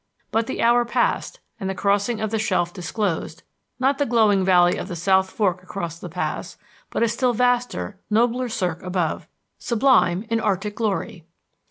But the hour passed and the crossing of the shelf disclosed, not the glowing valley of the South Fork across the pass, but still a vaster, nobler cirque above, sublime in Arctic glory!